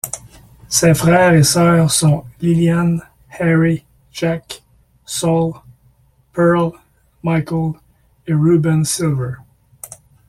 Ses frères et sœurs sont Lillian, Harry, Jack, Saul, Pearl, Michael et Reuben Silver.